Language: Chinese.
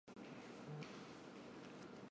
纽黑文是英国东萨塞克斯郡的一个镇。